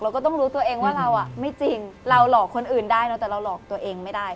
ก็ต้องรู้ตัวเองว่าเราไม่จริงเราหลอกคนอื่นได้เนอะแต่เราหลอกตัวเองไม่ได้